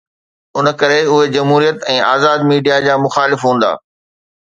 ان ڪري اهي جمهوريت ۽ آزاد ميڊيا جا مخالف هوندا.